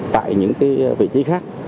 tại những cái vị trí khác